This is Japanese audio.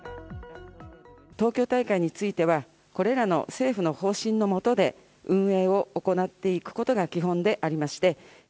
東京大会については、これらの政府の方針の下で運営を行っていくことが基本でありまして。